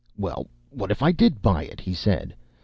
"Well, what if I did buy it?" he said.